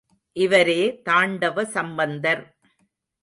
இவரே தாண்டவ சம்பந்தர்.